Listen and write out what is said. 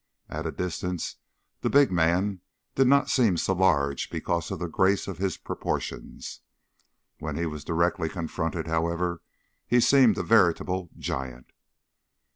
At a distance the big man did not seem so large because of the grace of his proportions; when he was directly confronted, however, he seemed a veritable giant.